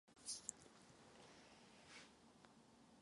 Počet vybraných výrobků je omezený.